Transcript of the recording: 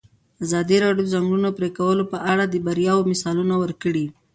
ازادي راډیو د د ځنګلونو پرېکول په اړه د بریاوو مثالونه ورکړي.